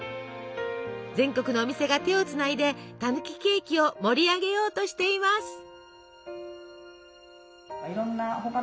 全国のお店が手をつないでたぬきケーキを盛り上げようとしています。